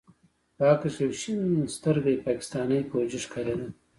په عکس کښې يو شين سترګى پاکستاني فوجي ښکارېده.